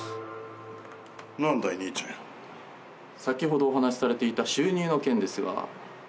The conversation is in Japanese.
先ほどお話しされていた収入の件ですが。